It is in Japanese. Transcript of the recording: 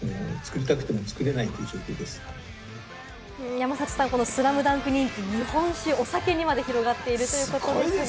山里さん、この『ＳＬＡＭＤＵＮＫ』人気、お酒にまで広がっているということですが。